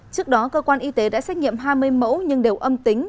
trước đó cơ quan y tế đã xét nghiệm hai mươi mẫu nhưng đều âm tính